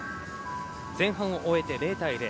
前半を終えて０対０。